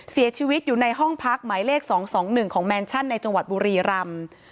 เสียชีวิตอยู่ในห้องพักหมายเลข๒๒๑ของแมนชั่นในจังหวัดบุรีรำ